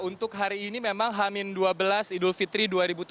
untuk hari ini memang hamin dua belas idul fitri dua ribu tujuh belas